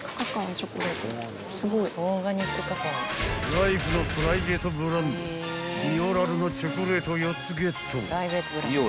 ［ライフのプライベートブランドビオラルのチョコレートを４つゲット］